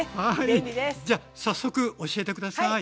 じゃ早速教えて下さい。